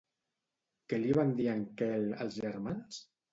Què li van dir a en Quel els germans?